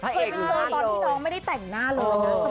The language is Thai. เคยไปเจอตอนที่น้องไม่ได้แต่งหน้าเลยนะ